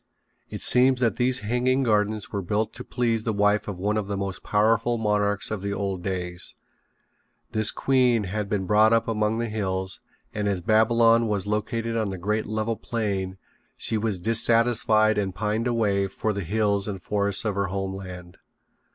It seems that these hanging gardens were built to please the wife of one of the most powerful monarchs of the old days. This queen had been brought up among the hills, and as Babylon was located on a great level plain she was dissatisfied and pined away for the hills and forests of her home land.